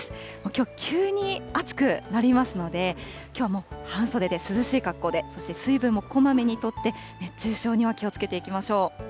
きょう、急に暑くなりますので、きょうはもう半袖で、涼しい格好で、そして水分もこまめにとって、熱中症には気をつけていきましょう。